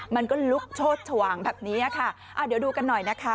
มันก็ลุกโชดชวางแบบนี้ค่ะอ่าเดี๋ยวดูกันหน่อยนะคะ